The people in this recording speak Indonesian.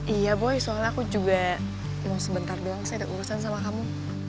iya boy soalnya aku juga emang sebentar doang saya ada urusan sama kamu